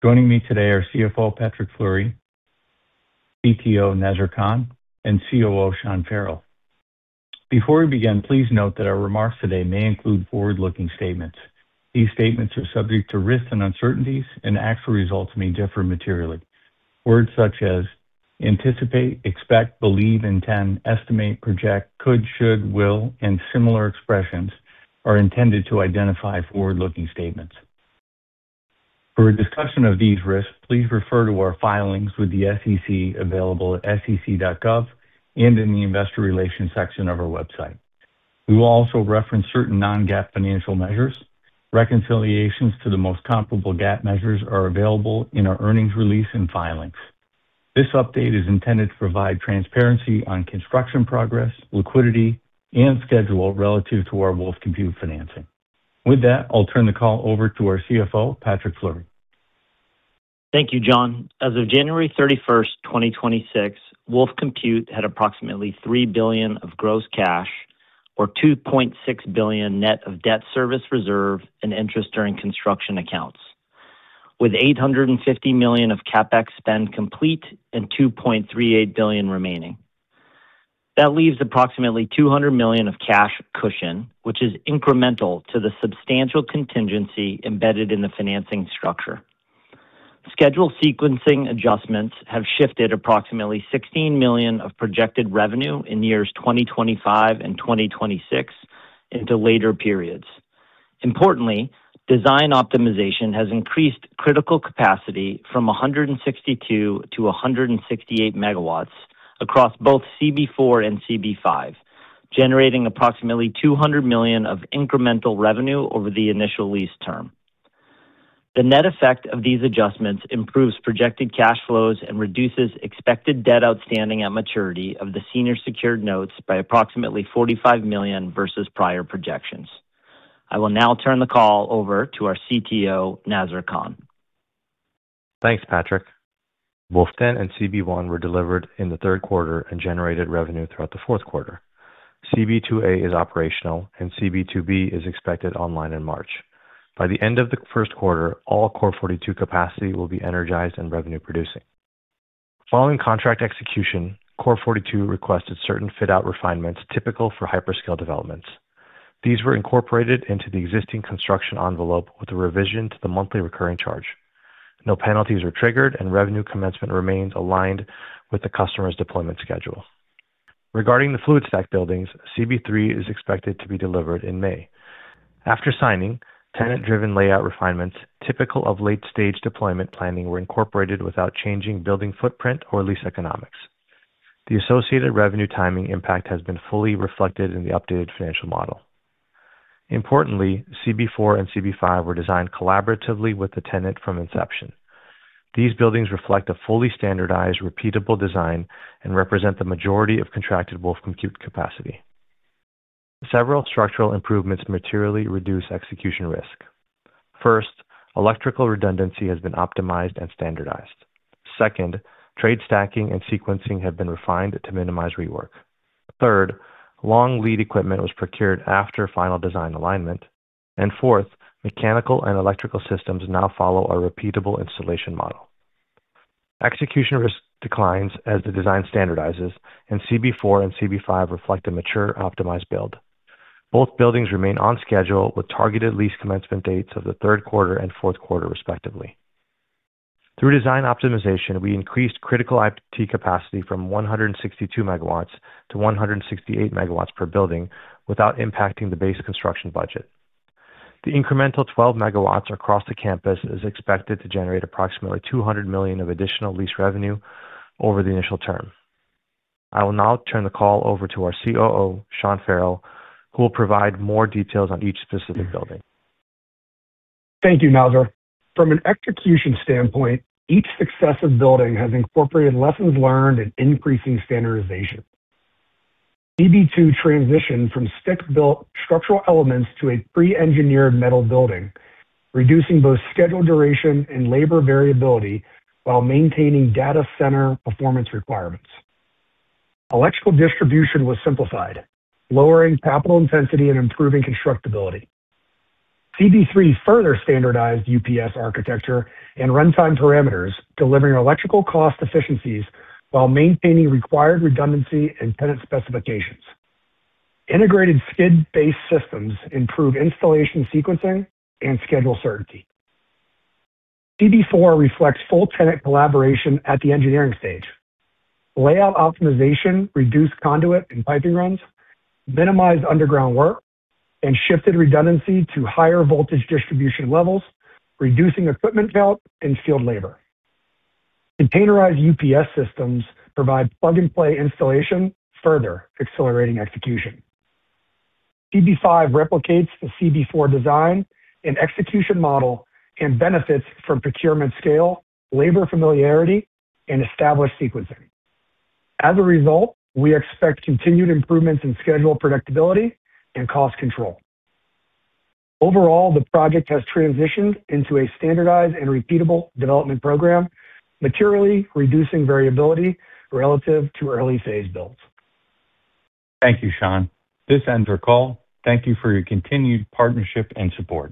Joining me today are CFO Patrick Fleury, CTO Nazar Khan, and COO Sean Farrell. Before we begin, please note that our remarks today may include forward-looking statements. These statements are subject to risks and uncertainties and actual results may differ materially. Words such as anticipate, expect, believe, intend, estimate, project, could, should, will, and similar expressions are intended to identify forward-looking statements. For a discussion of these risks, please refer to our filings with the SEC available at sec.gov and in the investor relations section of our website. We will also reference certain non-GAAP financial measures. Reconciliations to the most comparable GAAP measures are available in our earnings release and filings. This update is intended to provide transparency on construction progress, liquidity, and schedule relative to our Wolf Compute financing. With that, I'll turn the call over to our CFO, Patrick Fleury. Thank you, John. As of January 31st, 2026, Wolf Compute had approximately $3 billion of gross cash or $2.6 billion net of debt service reserve and interest during construction accounts. With $850 million of CapEx spend complete and $2.38 billion remaining. That leaves approximately $200 million of cash cushion, which is incremental to the substantial contingency embedded in the financing structure. Schedule sequencing adjustments have shifted approximately $16 million of projected revenue in years 2025 and 2026 into later periods. Importantly, design optimization has increased critical capacity from 162 to 168 MW across both CB4 and CB5, generating approximately $200 million of incremental revenue over the initial lease term. The net effect of these adjustments improves projected cash flows and reduces expected debt outstanding at maturity of the senior secured notes by approximately $45 million versus prior projections. I will now turn the call over to our CTO, Nazar Khan. Thanks, Patrick. Wolf Den and CB-1 were delivered in the third quarter and generated revenue throughout the fourth quarter. CB-2A is operational, and CB-2B is expected online in March. By the end of the first quarter, all Core42 capacity will be energized and revenue-producing. Following contract execution, Core42 requested certain fit-out refinements typical for hyperscale developments. These were incorporated into the existing construction envelope with a revision to the monthly recurring charge. No penalties were triggered, and revenue commencement remains aligned with the customer's deployment schedule. Regarding the FluidStack buildings, CB-3 is expected to be delivered in May. After signing, tenant-driven layout refinements typical of late-stage deployment planning were incorporated without changing building footprint or lease economics. The associated revenue timing impact has been fully reflected in the updated financial model. Importantly, CB-4 and CB-5 were designed collaboratively with the tenant from inception. These buildings reflect a fully standardized, repeatable design and represent the majority of contracted Wolf Compute capacity. Several structural improvements materially reduce execution risk. First, electrical redundancy has been optimized and standardized. Second, trade stacking and sequencing have been refined to minimize rework. Third, long lead equipment was procured after final design alignment. Fourth, mechanical and electrical systems now follow a repeatable installation model. Execution risk declines as the design standardizes, and CB-4 and CB-5 reflect a mature, optimized build. Both buildings remain on schedule, with targeted lease commencement dates of the third quarter and fourth quarter, respectively. Through design optimization, we increased critical IT capacity from 162 MW to 168 MW per building without impacting the base construction budget. The incremental 12 MW across the campus is expected to generate approximately $200 million of additional lease revenue over the initial term. I will now turn the call over to our COO, Sean Farrell, who will provide more details on each specific building. Thank you, Nazar. From an execution standpoint, each successive building has incorporated lessons learned and increasing standardization. CB-2 transitioned from stick-built structural elements to a pre-engineered metal building, reducing both schedule duration and labor variability while maintaining data center performance requirements. Electrical distribution was simplified, lowering capital intensity and improving constructability. CB-3 further standardized UPS architecture and runtime parameters, delivering electrical cost efficiencies while maintaining required redundancy and tenant specifications. Integrated skid-based systems improve installation sequencing and schedule certainty. CB-4 reflects full tenant collaboration at the engineering stage. Layout optimization reduced conduit and piping runs, minimized underground work, and shifted redundancy to higher voltage distribution levels, reducing equipment count and field labor. Containerized UPS systems provide plug-and-play installation, further accelerating execution. CB-5 replicates the CB-4 design and execution model and benefits from procurement scale, labor familiarity, and established sequencing. As a result, we expect continued improvements in schedule predictability and cost control. Overall, the project has transitioned into a standardized and repeatable development program, materially reducing variability relative to early phase builds. Thank you, Sean. This ends our call. Thank you for your continued partnership and support.